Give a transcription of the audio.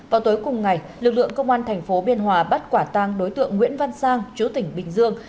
vào tối cùng ngày lực lượng công an thành phố biên hòa bắt quả tang đối tượng nguyễn văn sang chú tỉnh bình dương